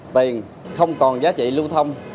tiền không còn giá trị lưu thông